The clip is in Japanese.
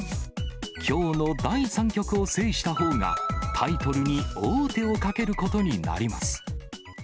きょうの第３局を制したほうが、タイトルに王手をかけることになります。